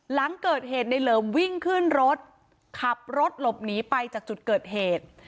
หลังเกิดเหตุในเหลิมวิ่งขึ้นรถขับรถหลบหนีไปจากจุดเกิดเหตุ